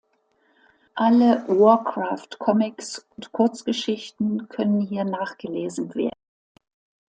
Alle "Warcraft"-Comics und -Kurzgeschichten können hier nachgelesen werden.